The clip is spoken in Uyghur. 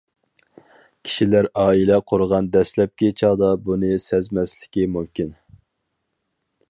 كىشىلەر ئائىلە قۇرغان دەسلەپكى چاغدا بۇنى سەزمەسلىكى مۇمكىن.